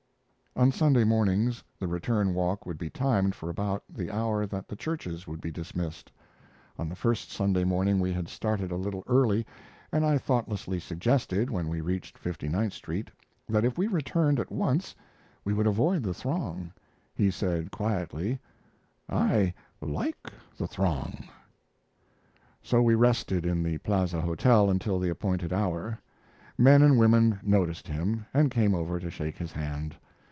On Sunday mornings the return walk would be timed for about the hour that the churches would be dismissed. On the first Sunday morning we had started a little early, and I thoughtlessly suggested, when we reached Fifty ninth Street, that if we returned at once we would avoid the throng. He said, quietly: "I like the throng." So we rested in the Plaza Hotel until the appointed hour. Men and women noticed him, and came over to shake his hand.